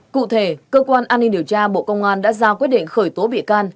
cụ thể cơ quan an ninh điều tra bộ công an đã ra quyết định khởi tố bị can